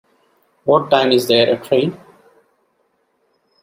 What time is there a train?